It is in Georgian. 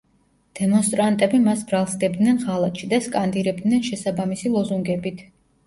დემონსტრანტები მას ბრალს სდებდნენ ღალატში და სკანდირებდნენ შესაბამისი ლოზუნგებით.